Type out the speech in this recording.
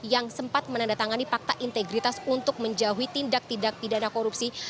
yang sempat menandatangani fakta integritas untuk menjauhi tindak tindak pidana korupsi